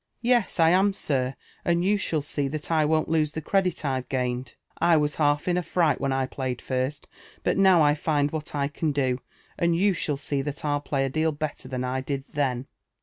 ''Yes, I am, sir ; and you shall see that I won't lose the credit I've gained, t was half in a fright when I played first; but now I find what I can do, and you shall see that I'll play a deal better than I did then."